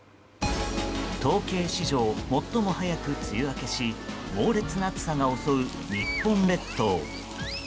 統計史上、最も早く梅雨明けし猛烈な暑さが襲う日本列島。